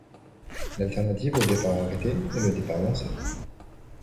L'alternative au départ arrêté est le départ lancé.